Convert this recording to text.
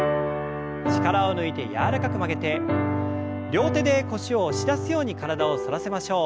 力を抜いて柔らかく曲げて両手で腰を押し出すように体を反らせましょう。